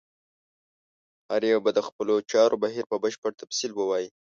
هر یو به د خپلو چارو بهیر په بشپړ تفصیل ووایي.